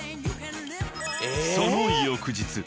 ［その翌日］